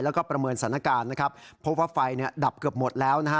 แล้วก็ประเมินสถานการณ์นะครับพบว่าไฟเนี่ยดับเกือบหมดแล้วนะฮะ